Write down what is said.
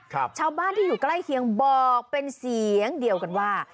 ชาวบ้านที่อยู่ใกล้เคียงบอกเป็นเสียงเดียวกันว่า